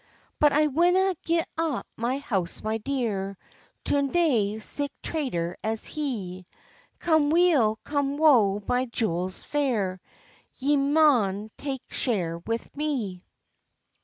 ] "But I winna gi'e up my house, my dear, To nae sic traitor as he; Come weal, come woe, my jewels fair, Ye maun take share with me."